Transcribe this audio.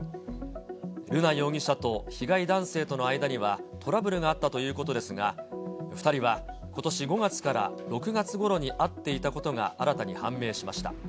瑠奈容疑者と被害男性との間にはトラブルがあったということですが、２人はことし５月から６月ごろに会っていたことが新たに判明しました。